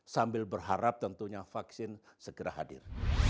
sambil berharap tentunya vaksin segera hadir